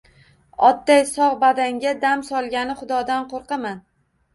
“Otday sogʼ bandaga dam solgani Xudodan qoʼrqaman!”